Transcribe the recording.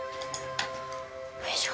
よいしょ。